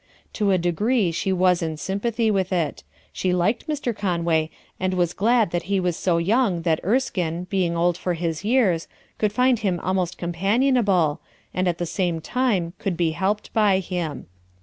To a degree she was in sympathy with it. She liked Mr. Conway and was glad that he was so young that Erskine, being old for his years, could find him almost companionable, and at the same time could be helped by him.